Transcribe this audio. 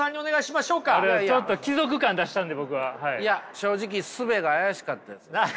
正直「術」が怪しかったですよ。